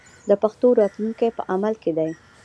د پښتو راتلونکی په عمل کې دی.